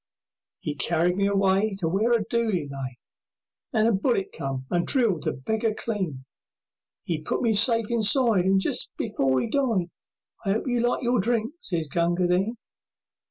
'E carried me away To where a dooli lay, And a bullet came and drilled the beggar clean. 'E put me safe inside, And just before 'e died, "I 'ope you liked your drink," sez Gunga Din.